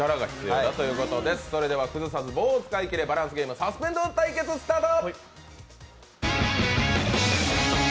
それでは崩さず棒を使い切れバランスゲーム「サスペンド」対決スタート。